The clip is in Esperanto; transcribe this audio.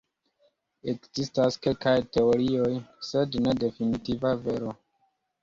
Ekzistas kelkaj teorioj, sed ne definitiva vero.